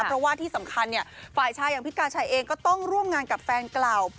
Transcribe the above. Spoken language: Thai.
เพราะว่าที่สำคัญเนี่ยฝ่ายชายอย่างพิษกาชัยเองก็ต้องร่วมงานกับแฟนเก่า